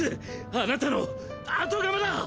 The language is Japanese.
あなたの後釜だ！